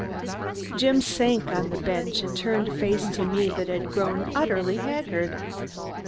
Jim sank on a bench and turned a face to me that had grown utterly haggard.